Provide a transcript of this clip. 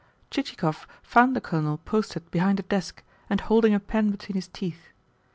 Chichikov found the Colonel posted behind a desk and holding a pen between his teeth.